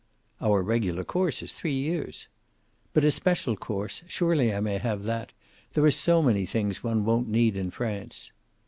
"Our regular course is three years." "But a special course. Surely I may have that. There are so many things one won't need in France."